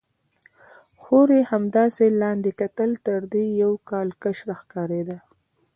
خور یې همداسې لاندې کتل، تر دې یو کال کشره ښکارېده.